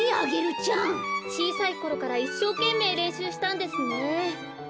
ちいさいころからいっしょうけんめいれんしゅうしたんですね。